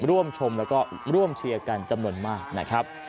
ร่วมชมแล้วก็ร่วมเชียร์กันจำนวนมากนะครับ